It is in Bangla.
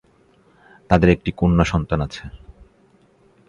তাদের একটি কন্যাসন্তান আছে।